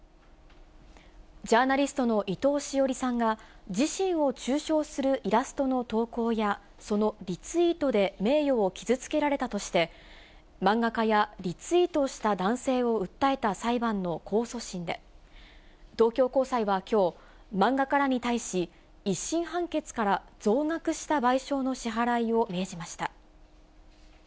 ジャーナリストの伊藤詩織さんが、自身を中傷するイラストの投稿や、そのリツイートで名誉を傷つけられたとして、漫画家やリツイートをした男性を訴えた裁判の控訴審で、東京高裁はきょう、漫画家らに対し、１審判決から増額した賠償の支払いを命じました。